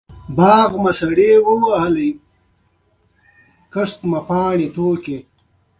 قدرت تل د اطاعت غوښتنه کوي او هېڅوک ترې نه تښتي.